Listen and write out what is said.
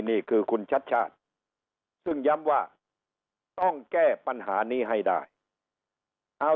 นี่คือคุณชัดชาติซึ่งย้ำว่าต้องแก้ปัญหานี้ให้ได้เอา